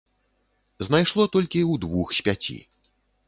Знайшло толькі ў двух з пяці.